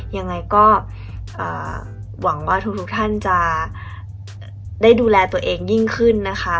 ยังไงก็หวังว่าทุกท่านจะได้ดูแลตัวเองยิ่งขึ้นนะคะ